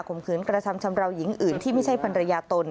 มขืนกระทำชำราวหญิงอื่นที่ไม่ใช่ภรรยาตน